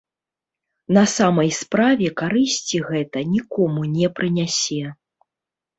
На самай справе карысці гэта нікому не прынясе.